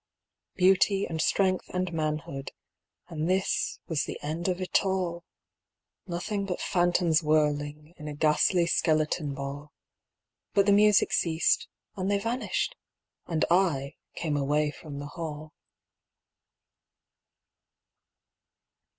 Beauty and strength and manhood And this was the end of it all: Nothing but phantoms whirling In a ghastly skeleton ball. But the music ceased and they vanished, And I came away from the hall.